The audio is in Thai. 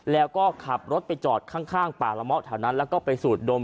แล้วก็ขับรถไปจอดข้างป่าละเมาะแถวนั้นแล้วก็ไปสูดดม